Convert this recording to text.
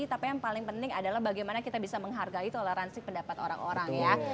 tapi yang paling penting adalah bagaimana kita bisa menghargai toleransi pendapat orang orang ya